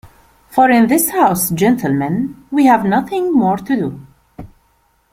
For in this house, gentlemen, we have nothing more to do.